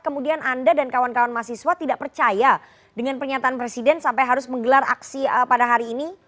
kemudian anda dan kawan kawan mahasiswa tidak percaya dengan pernyataan presiden sampai harus menggelar aksi pada hari ini